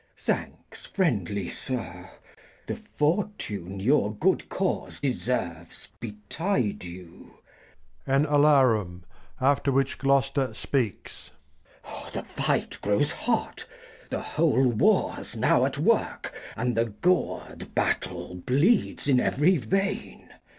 Thanks, friendly Sir ; The Fortune your good Cause deserves betide you. Act v] King Lear 241 <, An Alarm ; after which Gloster speaks. The Fight grows hot ; the whole War's now at work, And the goar'd Battle bleeds in every Vein.